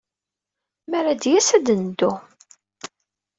Mi ara d-yas, ad d-nebdu.